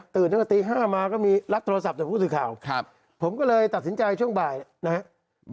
ตื่นจนก็ตีห้ามาก็มีลักโทรศัพท์จากผู้สื่อข่าวครับผมก็เลยตัดสินใจช่วงบ่ายนะฮะ